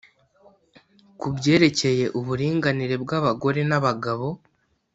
ku byerekeye uburinganire bw’abagore n’abagabo